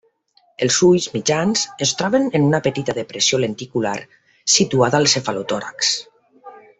Els ulls, mitjans, es troben en una petita depressió lenticular situada al cefalotòrax.